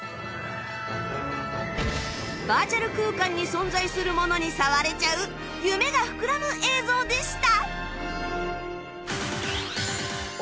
バーチャル空間に存在するものに触れちゃう夢が膨らむ映像でした